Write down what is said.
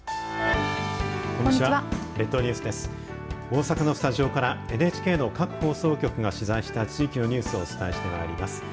大阪のスタジオからＮＨＫの各放送局が取材した地域のニュースをお伝えしてまいります。